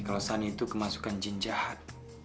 kalau sani itu kemasukan jin jahat